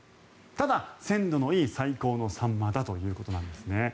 ただ、鮮度のいい最高のサンマだということなんですね。